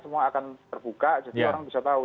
semua akan terbuka jadi orang bisa tahu